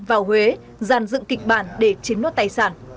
tỉnh tuyên quang vào huế dàn dựng kịch bản để chiếm nốt tài sản